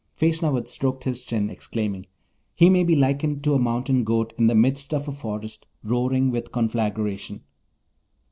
Feshnavat stroked his chin, exclaiming, 'He may be likened to a mountain goat in the midst of a forest roaring with conflagration.'